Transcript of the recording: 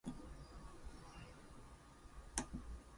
It was originally best seen from the Southern Hemisphere.